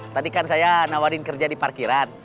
tadi kan saya nawarin kerja di parkiran